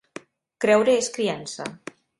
Creure és criança.